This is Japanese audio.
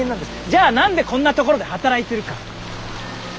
じゃあ何でこんな所で働いてるか？